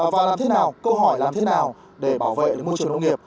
và làm thế nào câu hỏi làm thế nào để bảo vệ môi trường nông nghiệp